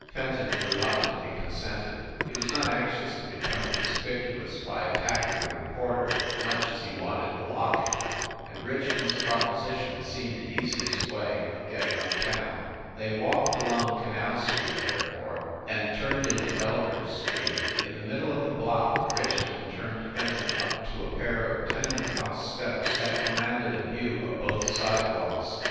Fenton reluctantly consented. He was not anxious to become conspicuous by attacking the reporter, much as he wanted the locket and Richmond s proposition seemed the easiest way of getting up town. They walked along Canal Street, therefore, I m going to tell you why I need you THE REPORTER OF "THE ITEM" 103 and turned into Eldredge Street. In the middle of the block Richmond turned Fenton up to a pair of tenement house steps that commanded a view of both sidewalks.